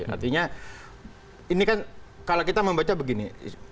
artinya ini kan kalau kita membaca begini